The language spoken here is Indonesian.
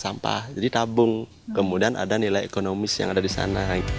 sampah jadi tabung kemudian ada nilai ekonomis yang ada di sana